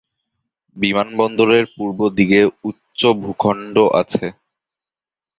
বিমানবন্দরের পূর্ব দিকে উচ্চ ভূখণ্ড আছে।